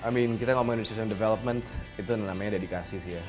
i mean kita ngomongin research and development itu namanya dedikasi sih ya